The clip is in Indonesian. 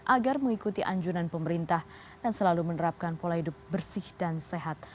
agar mengikuti anjuran pemerintah dan selalu menerapkan pola hidup bersih dan sehat